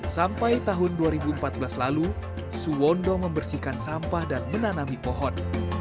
sampai tahun dua ribu empat belas lalu suwondo membersihkan sampah dan menanami pohon